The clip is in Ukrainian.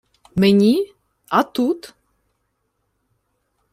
— Мені? А тут?